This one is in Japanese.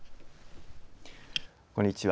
こんにちは。